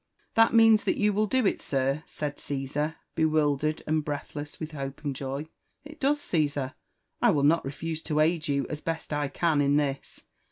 "That means that you will doit, sir?" said Cesar, bewildered, and breathless with hope and joy. " It does, Cesar. I will not refuse to aid you as best I can in this.